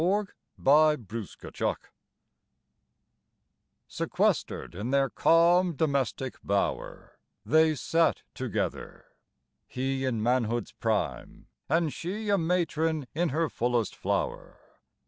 DOMESTIC BLISS IV Sequestered in their calm domestic bower, They sat together. He in manhood's prime And she a matron in her fullest flower.